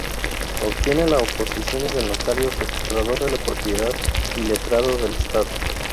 Obtiene la oposiciones de notario, registrador de la propiedad y letrado del Estado.